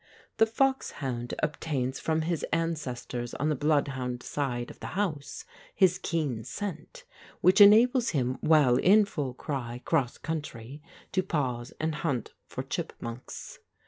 The foxhound obtains from his ancestors on the bloodhound side of the house his keen scent, which enables him while in full cry 'cross country to pause and hunt for chipmunks.